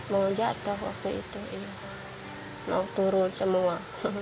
mau jatuh waktu itu mau turun semua